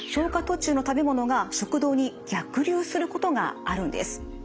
途中の食べ物が食道に逆流することがあるんです。